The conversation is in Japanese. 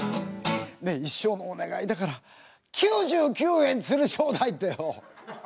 「ねえ一生のお願いだから９９円釣り頂戴」ってよ。